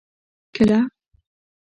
کله.